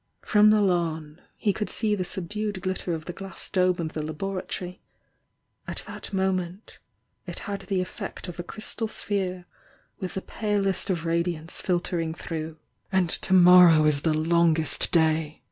From the lawn, he couH see the subdued glitter of the glass dome of the laboratory at that moment it had the effect of a crystal sphere with the palest of radiance filtering through. "And to morrow is the longest day!"